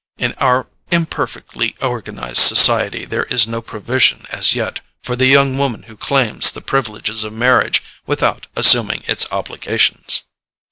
In our imperfectly organized society there is no provision as yet for the young woman who claims the privileges of marriage without assuming its obligations."